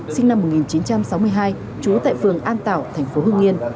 sinh năm một nghìn chín trăm sáu mươi hai trú tại phường an tảo thành phố hương yên